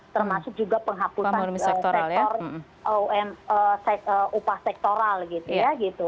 termasuk juga penghapusan sektor upah sektoral gitu ya gitu